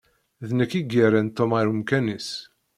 D nekk i yerran Tom ar umkan-is.